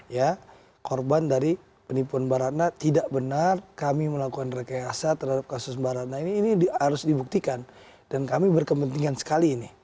ya korban dari penipuan baratna tidak benar kami melakukan rekeasa terhadap kasus baratna ini harus dibuktikan dan kami berkepentingan sekali ini